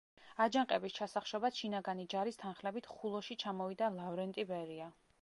აჯანყების ჩასახშობად შინაგანი ჯარის თანხლებით, ხულოში ჩამოვიდა ლავრენტი ბერია.